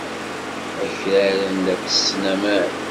Akraren la ttessen aman.